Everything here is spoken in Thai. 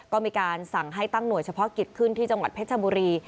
ก็มีการสั่งให้ตั้งหน่วยเฉพาะกิจขึ้นที่จังหวัดเพชรบุรี